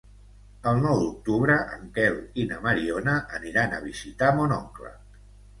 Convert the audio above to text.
El nou d'octubre en Quel i na Mariona aniran a visitar mon oncle.